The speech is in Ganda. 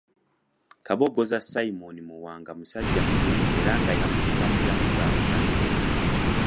Kabogoza Simon Muwanga musajja muyivu era nga yakuguka mu byankulaakulana.